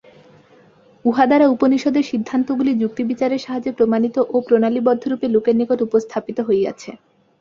উহা দ্বারা উপনিষদের সিদ্ধান্তগুলি যুক্তিবিচারের সাহায্যে প্রমাণিত ও প্রণালীবদ্ধরূপে লোকের নিকট উপস্থাপিত হইয়াছে।